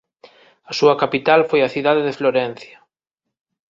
A súa capital foi a cidade de Florencia.